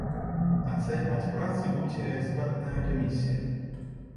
Ацэньваць працы будзе экспертная камісія.